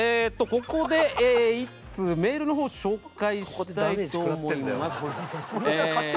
ここで１通メールの方を紹介したいと思います。